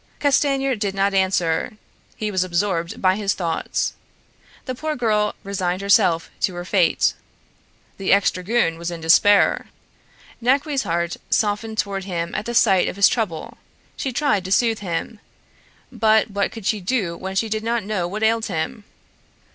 Castanier did not answer; he was absorbed by his thoughts. The poor girl resigned herself to her fate. The ex dragoon was in despair. Naqui's heart softened toward him at the sight of his trouble; she tried to soothe him, but what could she do when she did not know what ailed him?